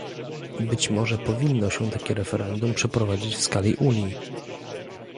Być może powinno się takie referendum przeprowadzić w skali Unii